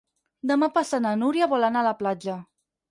Demà passat na Núria vol anar a la platja.